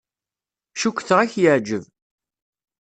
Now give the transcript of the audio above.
Cukkteɣ ad k-yeɛjeb.